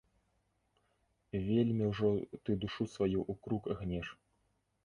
Вельмі ўжо ты душу сваю ў крук гнеш.